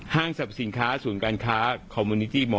ฮ่างสรรพสินค้าสูญการค้าคอมมูนิตี้ม